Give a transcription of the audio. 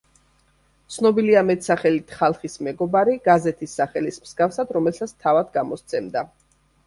ცნობილია მეტსახელით „ხალხის მეგობარი“, გაზეთის სახელის მსგავსად, რომელსაც თავად გამოსცემდა.